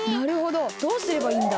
どうすればいいんだ？